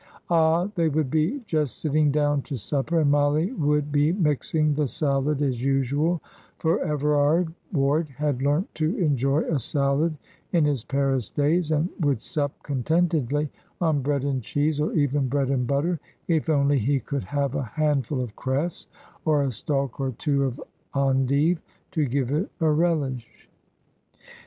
Ah, they would be just sitting down to supper, and Mollie would be mixing the salad as usual; for Everard Ward had learnt to enjoy a salad in his Paris days, and would sup contentedly on bread and cheese or even bread and butter, if only he could have a handful of cress, or a stalk or two of endive, to give it a relish.